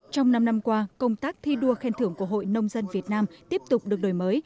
trong năm năm qua công tác thi đua khen thưởng của hội nông dân việt nam tiếp tục được đổi mới